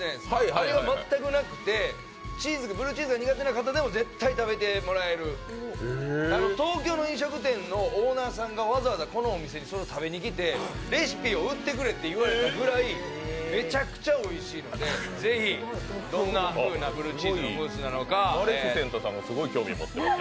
あれが全くなくてブルーチーズが苦手な方でも絶対に食べてもらえる、東京の飲食店のオーナーさんがわざわざこのお店に食べにきて、レシピを売ってくれと言われたくらいめちゃくちゃおいしいんで、是非、どんなふうなブルーチーズのムースなのかマレフィセントさんもすごい興味を持っています。